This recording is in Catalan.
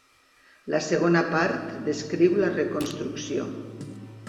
La segona part descriu la reconstrucció.